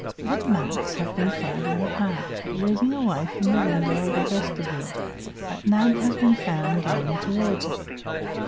Footmarks have been found in the park, leading away from the window of the vestibule, but none has been found going towards it.